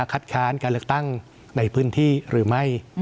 คัดค้านการเลือกตั้งในพื้นที่หรือไม่